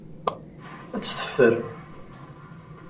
Ad tt-teffer.